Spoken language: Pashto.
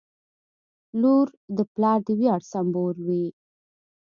• لور د پلار د ویاړ سمبول وي.